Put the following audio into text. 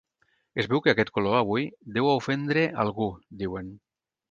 Es veu que aquest color, avui, deu ofendre “algú”, diuen.